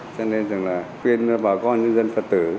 cho nên là khuyên bà con những dân phật tử